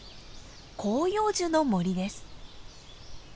広葉樹の森です。